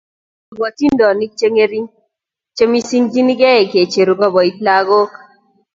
kiiyoku atindonik che ngering che mosingchinei kecheru koboit lakok